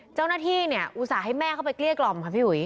เจ้าหน้าที่เนี่ยอุตส่าห์ให้แม่เข้าไปเกลี้ยกล่อมค่ะพี่อุ๋ย